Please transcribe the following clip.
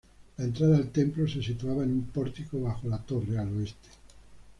La entrada al templo se situaba en un pórtico bajo la torre, al oeste.